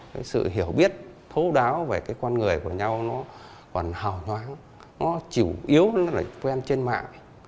cái sự hiểu biết thấu đáo về cái con người của nhau nó còn hào nhoáng nó chủ yếu nó lại quen trên mạng